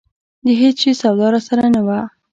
د هېڅ شي سودا راسره نه وه.